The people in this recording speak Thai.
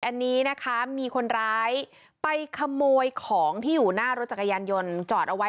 อันนี้นะคะมีคนร้ายไปขโมยของที่อยู่หน้ารถจักรยานยนต์จอดเอาไว้